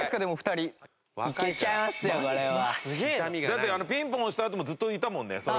だってあのピンポン押したあともずっといたもんねその上に。